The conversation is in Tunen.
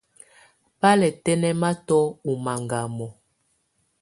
Bà lɛ̀ tɛnɛ̀matɔ̀ ù màgamɔ̀.